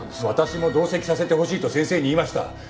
私も同席させてほしいと先生に言いました。